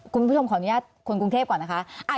คุณผู้ชมขออนุญาตคนกรุงเทพก่อนนะคะ